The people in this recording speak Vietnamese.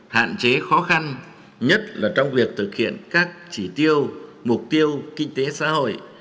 hạn chế khó khăn nhất là trong việc thực hiện các chỉ tiêu mục tiêu kinh tế xã hội